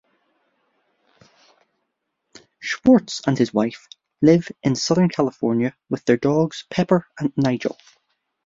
Schwartz and his wife live in Southern California with their dogs Pepper and Nigel.